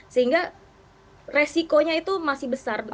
sehingga resikonya itu masih besar